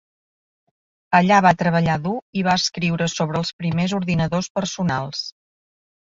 Allà va treballar dur i va escriure sobre els primers ordinadors personals.